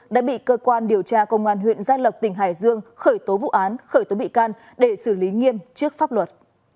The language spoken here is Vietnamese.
đã bị cơ quan điều tra công an huyện gia lộc tỉnh hải dương khởi tố vụ án khởi tố bị can để xử lý nghiêm trước pháp luật